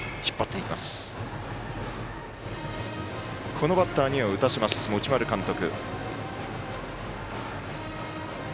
このバッターには打たせます持丸監督。